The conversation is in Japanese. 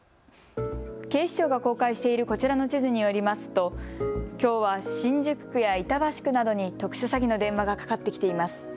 警視庁が公開しているこちらの地図によりますときょうは新宿区や板橋区などに特殊詐欺の電話がかかってきています。